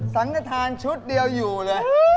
สังกระทานชุดเดียวอยู่เลย